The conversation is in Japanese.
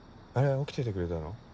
起きててくれたの？